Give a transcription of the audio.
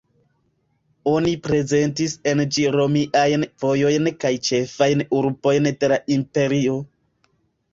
Oni prezentis en ĝi romiajn vojojn kaj ĉefajn urbojn de la Imperio.